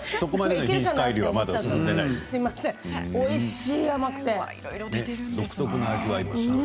おいしい、甘くて。